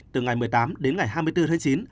từ ngày một mươi tám đến ngày hai mươi bốn tháng chín